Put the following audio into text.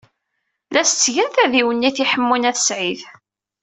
La as-ttgen tadiwennit i Ḥemmu n At Sɛid.